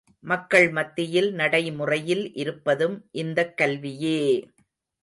மக்கள் மத்தியில் நடைமுறையில் இருப்பதும் இந்தக் கல்வியே!